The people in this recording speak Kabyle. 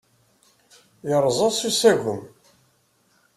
Yerreẓ-as usagem.